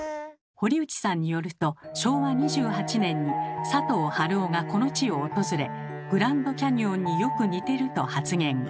堀内さんによると昭和２８年に佐藤春夫がこの地を訪れ「グランドキャニオンによく似てる」と発言。